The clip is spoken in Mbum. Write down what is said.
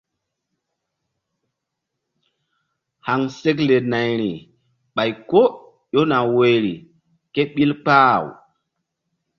Haŋsekle nayri ɓay ko ƴona woyri ké ɓil kpah-aw.